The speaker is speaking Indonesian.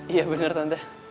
iya bener tante